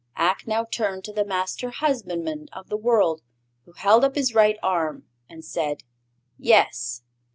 Ak now turned to the Master Husbandman of the World, who held up his right arm and said "Yes!"